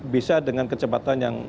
bisa dengan kecepatan yang